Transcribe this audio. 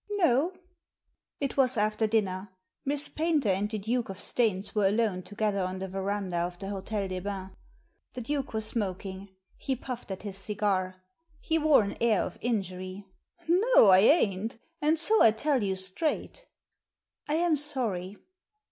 "No?" It was after dinner. Miss Paynter and the Duke of Staines were alone together on the verandah of the H6tel des Bains. The Duke was smoking. He puffed at his cigar. He wore an air of injury. " No, I ain't, and so I tell you straight" " I am sorry."